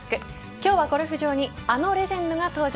今日はゴルフ場にあのレジェンドが登場。